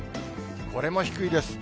これも低いです。